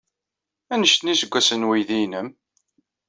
Anect iseggasen n weydi-nnem?